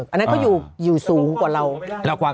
อันนั้นเขาอยู่สูงกว่าเรา